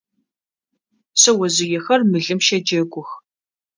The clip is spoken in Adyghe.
Шъэожъыехэр мылым щэджэгух.